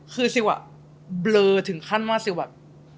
คือซิลอ่ะเบลอถึงขั้นว่าซิลแบบ